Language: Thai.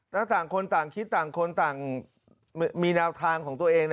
ถ้าต่างคนต่างคิดต่างคนต่างมีแนวทางของตัวเอง